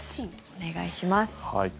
お願いします。